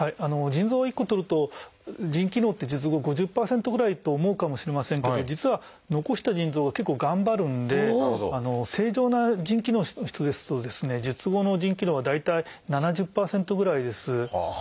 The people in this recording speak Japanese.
腎臓を１個とると腎機能って術後５０％ぐらいと思うかもしれませんけど実は残した腎臓が結構頑張るんで正常な腎機能の人ですと術後の腎機能は大体７０％ぐらいです。